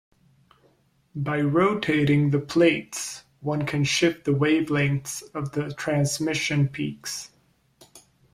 By rotating the plates, one can shift the wavelengths of the transmission peaks.